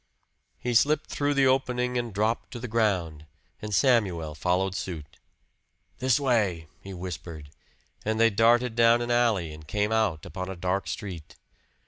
He slipped through the opening and dropped to the ground, and Samuel followed suit. "This way," he whispered, and they darted down an alley and came out upon a dark street.